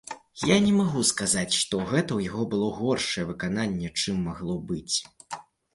Я не магу сказаць, што гэта ў яго было горшае выкананне, чым магло быць.